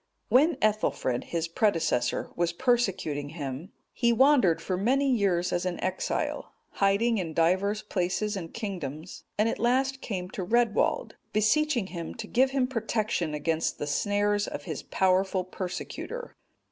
When Ethelfrid,(227) his predecessor, was persecuting him, he wandered for many years as an exile, hiding in divers places and kingdoms, and at last came to Redwald, beseeching him to give him protection against the snares of his powerful persecutor.